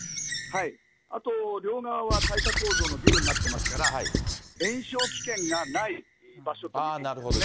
あと、両側は耐火構造のビルになってますから、延焼危険がない場所ということですね。